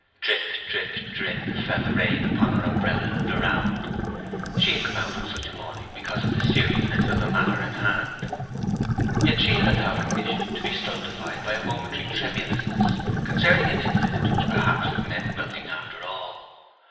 Drip, drip, drip, fell the rain upon her umbrella and around; she had come out on such a morning because of the seriousness of the matter in hand; yet now she had allowed her mission to be stultified by a momentary tremulousness concerning an incident which perhaps had meant nothing after all.